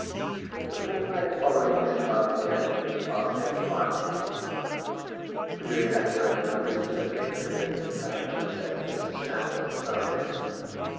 The fortnight following Mr. Harding's death was passed very quietly at Hogglestock, for during that time no visitor made an appearance in the parish except Mr. Snapper on the Sundays.